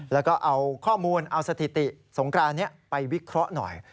แล้วก็เอาข้อมูลเอาสถิติสงกรานนี้ไปวิเคราะห์หน่อย